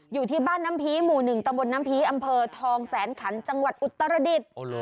อยู่ที่บ้านน้ำพีหมู่๑ตำบลน้ำพีอำเภอทองแสนขันจังหวัดอุตรดิษฐ์